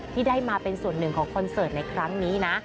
ที่ได้มาเป็นส่วนหนึ่งของคอนเสิร์ตในครั้งนี้นะ